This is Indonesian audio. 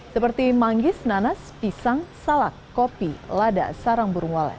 seperti manggis nanas pisang salak kopi lada sarang burung walet